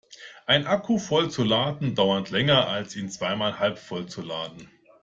Einen Akku voll zu laden dauert länger als ihn zweimal halbvoll zu laden.